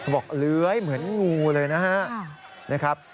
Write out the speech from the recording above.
บอกเลื้อยเหมือนงูเลยนะครับ